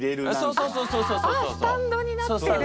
そうそうそうそう。